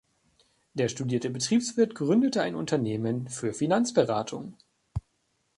Der studierte Betriebswirt gründete ein Unternehmen für Finanzberatung.